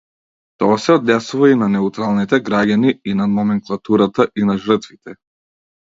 Тоа се однесува и на неутралните граѓани, и на номенклатурата, и на жртвите.